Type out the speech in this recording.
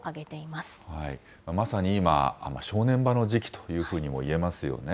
まさに今、正念場の時期というふうにもいえますよね。